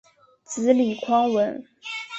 子李匡文。